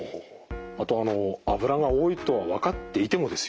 あと脂が多いとは分かっていてもですよ